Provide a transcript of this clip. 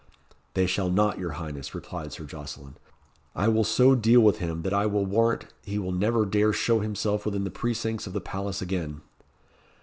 "They shall not, your highness," replied Sir Jocelyn. "I will so deal with him that I will warrant he will never dare show himself within the precincts of the palace again."